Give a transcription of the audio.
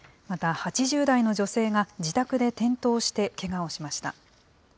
また、８０代の女性が自宅で転倒して、けがをしました。